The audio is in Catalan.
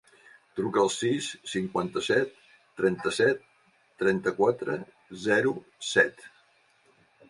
Truca al sis, cinquanta-set, trenta-set, trenta-quatre, zero, set.